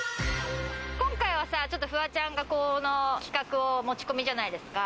今回はさ、フワちゃんがこの企画を持ち込みじゃないですか。